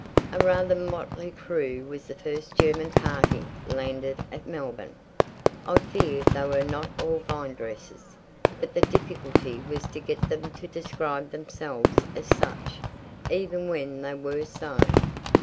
A rather motley crew was this first German party landed at Melbourne. I fear they were not all vinedressers. But the difficulty was to get them to describe themselves as such, even when they were so.